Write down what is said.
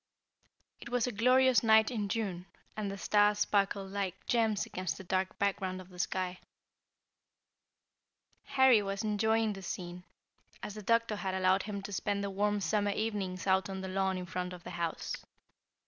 It was a glorious night in June, and the stars sparkled like gems against the dark background of the sky. [Illustration: THE GREAT BEAR.] Harry was enjoying the scene, as the doctor had allowed him to spend the warm summer evenings out on the lawn in front of the house.